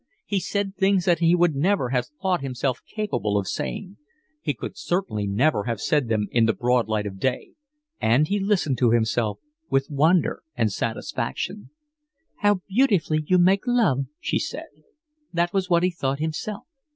He said things that he would never have thought himself capable of saying; he could certainly never have said them in the broad light of day; and he listened to himself with wonder and satisfaction. "How beautifully you make love," she said. That was what he thought himself.